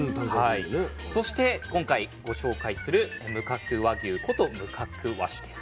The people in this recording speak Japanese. そして今回ご紹介する無角和牛こと無角和種です。